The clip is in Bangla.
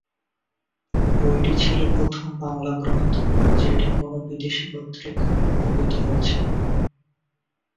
বইটি ছিল প্রথম বাংলা গ্রন্থ যেটি কোনো বিদেশি কর্তৃক অনূদিত হয়েছে।